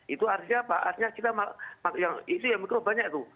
itu artinya apa artinya kita yang isu yang mikro banyak tuh